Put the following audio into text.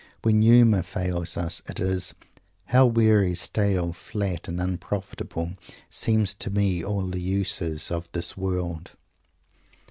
When humour fails us, it is "How weary, stale, flat and unprofitable, seem to me all the uses of this world!"